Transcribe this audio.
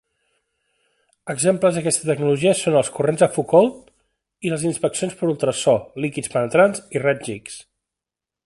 Exemples d'aquesta tecnologia són els corrents de Foucault, i les inspeccions per ultrasò, líquids penetrants i raigs X.